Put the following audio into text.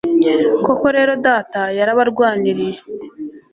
koko rero data yarabarwaniriye